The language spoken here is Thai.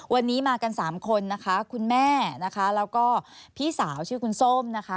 วันนี้มากันสามคนนะคะคุณแม่นะคะแล้วก็พี่สาวชื่อคุณส้มนะคะ